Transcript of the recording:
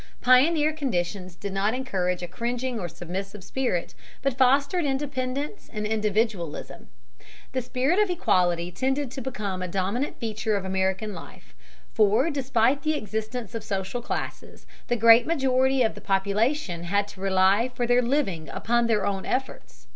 Pioneer conditions did not encourage a cringing or submissive spirit, but fostered independence and individualism. The spirit of equality tended to become a dominant feature of American life, for despite the existence of social classes, the great majority of the population had to rely for their living upon their own efforts.